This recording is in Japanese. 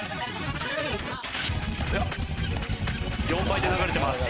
４倍で流れてます。